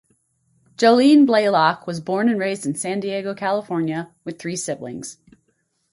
Jolene Blalock was born and raised in San Diego, California, with three siblings.